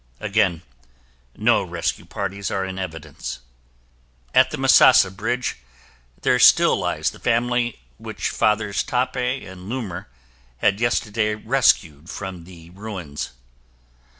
Again no rescue parties are in evidence. At the Misasa Bridge, there still lies the family which the Fathers Tappe and Luhmer had yesterday rescued from the ruins.